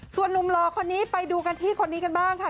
ส่วนนุ่มหล่อคนนี้ไปดูกันที่คนนี้กันบ้างค่ะ